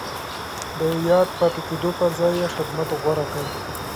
د ياد پاتې کېدو پر ځای يې خدمت غوره کړ.